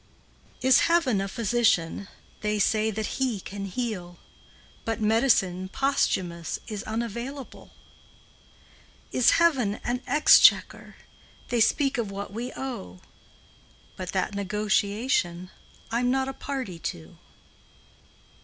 XXI. Is Heaven a physician? They say that He can heal, But medicine posthumous Is unavailable. Is Heaven an exchequer? They speak of what we owe; But that negotiation I 'm not a party to.